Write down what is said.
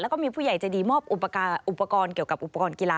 แล้วก็มีผู้ใหญ่ใจดีมอบอุปกรณ์เกี่ยวกับอุปกรณ์กีฬา